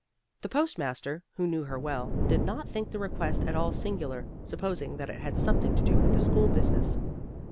The post master, who knew her well, did not think the request at all singular, supposing that it had something to do with the school business.